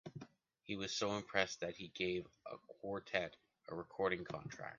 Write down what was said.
He was so impressed that he gave the quartet a recording contract.